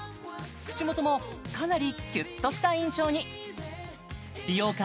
口元もかなりキュッとした印象に美容家